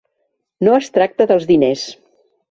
No es tracta dels diners.